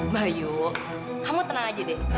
bayu kamu tenang aja deh